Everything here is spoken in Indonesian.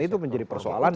itu menjadi persoalannya